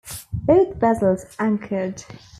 Both vessels anchored.